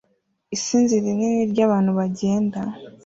Isinzi rinini ry'abantu bagenda